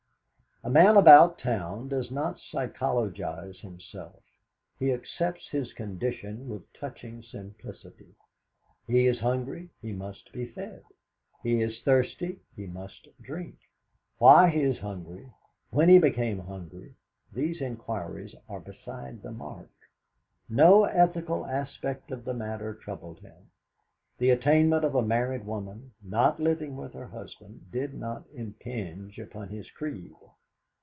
A man about town does not psychologise himself; he accepts his condition with touching simplicity. He is hungry; he must be fed. He is thirsty; he must drink. Why he is hungry, when he became hungry, these inquiries are beside the mark. No ethical aspect of the matter troubled him; the attainment of a married woman, not living with her husband, did not impinge upon his creed.